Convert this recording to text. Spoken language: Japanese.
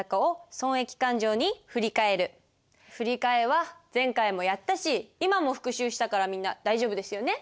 振り替えは前回もやったし今も復習したからみんな大丈夫ですよね？